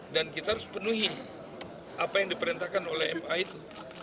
dan kita harus penuhi apa yang diperintahkan oleh ma itu